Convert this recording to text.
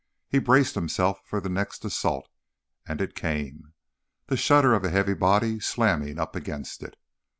He braced himself for the next assault, and it came: the shudder of a heavy body slamming up against it.